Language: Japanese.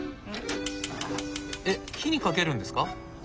えっ火にかけるんですか？